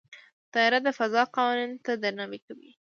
طیاره د فضا قوانینو ته درناوی کوي.